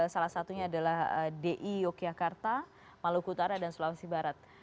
salah satunya adalah di yogyakarta maluku utara dan sulawesi barat